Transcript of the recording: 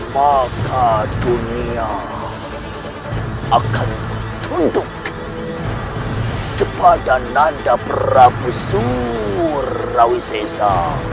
maka dunia akan tunduk kepada nanda prabu sumurrawi seja